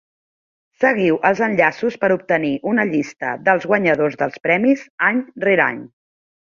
Seguiu els enllaços per obtenir una llista dels guanyadors dels premis, any rere any.